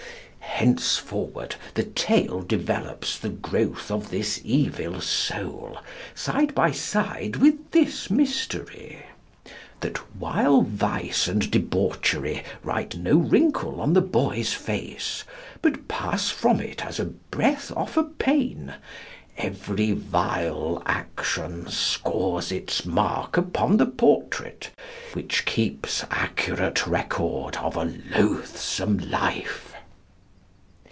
Henceforward, the tale develops the growth of this evil soul, side by side with this mystery that while vice and debauchery write no wrinkle on the boy's face, but pass from it as a breath off a pane, every vile action scores its mark upon the portrait, which keeps accurate record of a loathsome life.